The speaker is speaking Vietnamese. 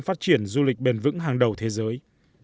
phát triển du lịch bền vững hàng đầu thế giới